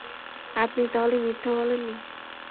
আপনি তাহলে মিথ্যে বলেননি?